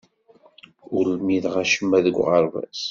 Ur lmideɣ acemma deg uɣerbaz.